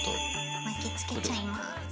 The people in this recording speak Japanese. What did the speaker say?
巻きつけちゃいます。